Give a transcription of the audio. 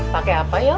pakai apa yo